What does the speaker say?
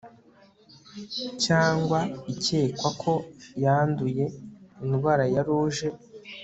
cyangwa ikekwako yanduye indwara ya ruje